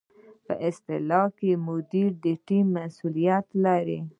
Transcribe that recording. په اصطلاح کې مدیر د ټیم مسؤلیت لري.